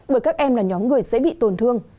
bởi các em là nhóm người dễ bị tổn thương